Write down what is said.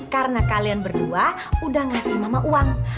karena kalian berdua udah ngasih mama uang